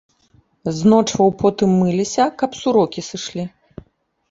З ночваў потым мыліся, каб сурокі сышлі.